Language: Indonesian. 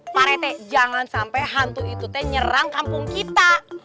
pak rt jangan sampe hantu itu teh nyerang kampung kita